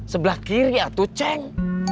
sebelah kiri atu ceng